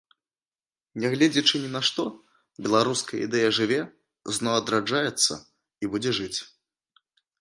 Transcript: Нягледзячы ні на што, беларуская ідэя жыве, зноў адраджаецца і будзе жыць!